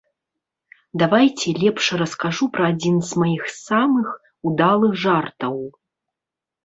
Давайце лепш раскажу пра адзін з маіх самых удалых жартаў.